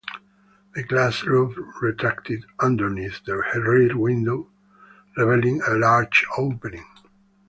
The glass roof retracted underneath the rear window revealing a large opening.